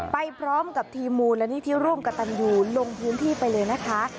ไปพร้อมกับทีมูลและนิทีโรงกับต่ำยูลงทูมที่ไปเลยนะคะ